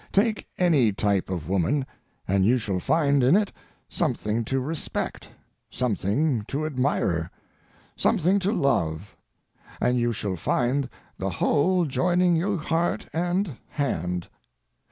Take any type of woman, and you shall find in it something to respect, something to admire, something to love. And you shall find the whole joining you heart and hand.